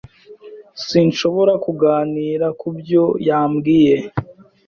Sinshobora kuganira kubyo yambwiye.